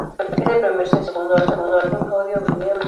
Es el primer sencillo de su segundo álbum "Audio, Video, Disco".